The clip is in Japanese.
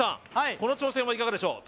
この挑戦はいかがでしょう？